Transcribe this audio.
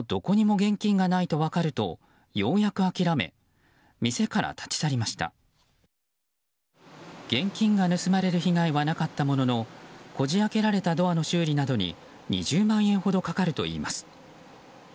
現金が盗まれる被害はなかったもののこじ開けられたドアの修理などに２０万円ほどかかるといいます。